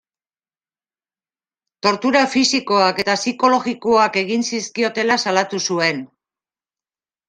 Tortura fisikoak eta psikologikoak egin zizkiotela salatu zuen.